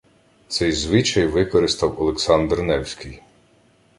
Цей звичай використав Олександр Невський